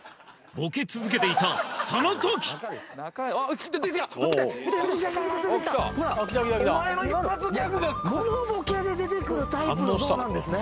ボケ続けていたその時見て出てきたお前の一発ギャグでモノボケで出てくるタイプのゾウなんですね